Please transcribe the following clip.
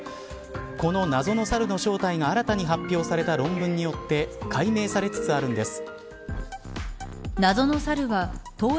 この謎のサルの正体が新たに発表された論文によって解明されつつあるんです。